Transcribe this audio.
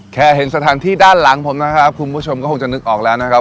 เห็นสถานที่ด้านหลังผมนะครับคุณผู้ชมก็คงจะนึกออกแล้วนะครับ